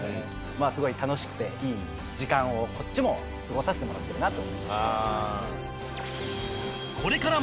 まあすごい楽しくていい時間をこっちも過ごさてもらってるなと思いますね。